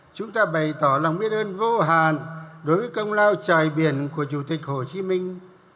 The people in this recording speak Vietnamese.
chúng ta bày tỏ lòng biết ơn vô hạn đối với công lao trời biển của chủ tịch hồ chí minh